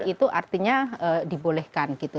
itu artinya dibolehkan gitu